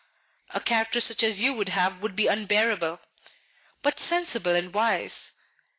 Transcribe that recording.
"A character such as you would have would be unbearable." "But sensible and wise."